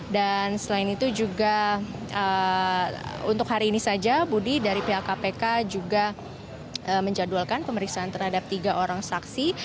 dan selain itu juga untuk hari ini saja budi dari pihak kpk juga menjadwalkan pemeriksaan terhadap tiga orang saksi